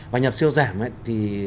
và nhập siêu giảm thì